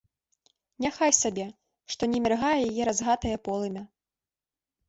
Няхай сабе, што не міргае яе разгатае полымя.